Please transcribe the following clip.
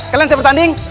kalian siap bertanding